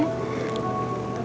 bahkan seperti tika